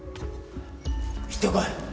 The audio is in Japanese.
行ってこい。